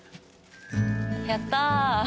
やった。